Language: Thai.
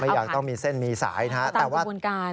ไม่อยากต้องมีเส้นมีสายนะ